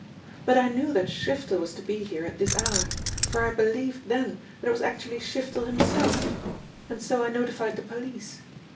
But I knew that Shiftel was to be here at this hour for I believed then that it was actually Shiftel himself and so I notified the police.